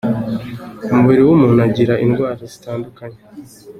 Umubiri w’umuntu ugira indwara zitandukanye.